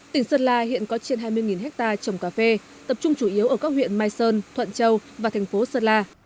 tỉnh sơn la hiện có trên hai mươi hectare trồng cà phê tập trung chủ yếu ở các huyện mai sơn thuận châu và thành phố sơn la